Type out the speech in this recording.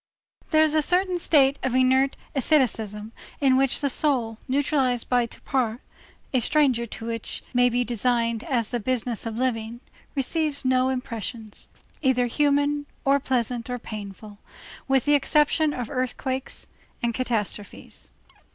There is a certain state of inert asceticism in which the soul, neutralized by torpor, a stranger to that which may be designated as the business of living, receives no impressions, either human, or pleasant or painful, with the exception of earthquakes and catastrophes.